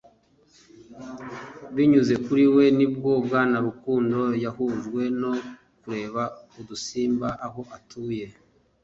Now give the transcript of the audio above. Binyuze kuri we ni bwo Bwana Rukundo yahujwe no kureba udusimba aho batuye